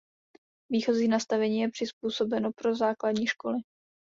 Výchozí nastavení je přizpůsobeno pro základní školy.